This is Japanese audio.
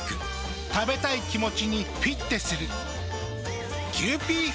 食べたい気持ちにフィッテする。